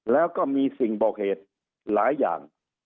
แล้วก็มีสิ่งบอกเหตุหลายอย่าง